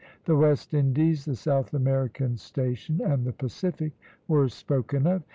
The West Indies, the South American station and the Pacific were spoken of.